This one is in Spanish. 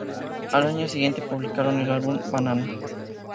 Al año siguiente publicaron el álbum "Banana".